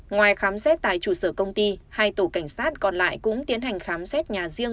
ngoài khám xét tại trụ sở công ty hai tổ cảnh sát còn lại cũng tiến hành khám xét nhà riêng